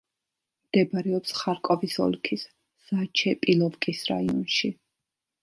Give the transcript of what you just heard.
მდებარეობს ხარკოვის ოლქის ზაჩეპილოვკის რაიონში.